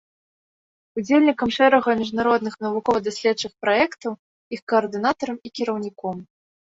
Удзельнікам шэрагу міжнародных навукова-даследчых праектаў, іх каардынатарам і кіраўніком.